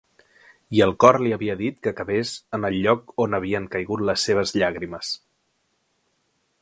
I el cor li havia dit que cavés en el lloc on havien caigut les seves llàgrimes.